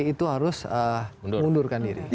itu harus mundurkan diri